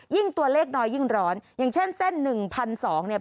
ตัวเลขน้อยยิ่งร้อนอย่างเช่นเส้นหนึ่งพันสองเนี่ย